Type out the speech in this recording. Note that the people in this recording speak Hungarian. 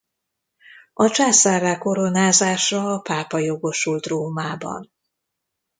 A császárrá koronázásra a pápa jogosult Rómában.